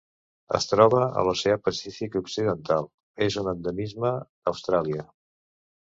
Es troba a l'Oceà Pacífic occidental: és un endemisme d'Austràlia.